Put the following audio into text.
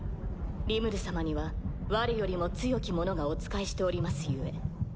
リムル様にはわれよりも強き者がお仕えしております故。